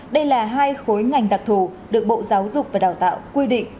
đây là hai khối ngành đặc thù được bộ giáo dục và đào tạo quy định